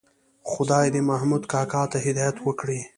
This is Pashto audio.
خدای دې محمود کاکا ته هدایت وکړي.